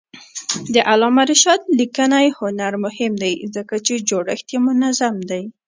د علامه رشاد لیکنی هنر مهم دی ځکه چې جوړښت یې منظم دی.